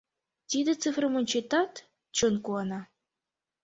Тиде цифрым ончетат, чон куана.